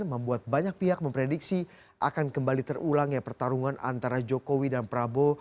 membuat banyak pihak memprediksi akan kembali terulangnya pertarungan antara jokowi dan prabowo